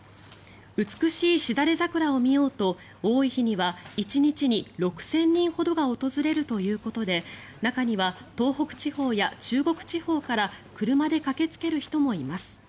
美しいシダレザクラを見ようと多い日には１日に６０００人ほどが訪れるということで中には東北地方や中国地方から車で駆けつける人もいます。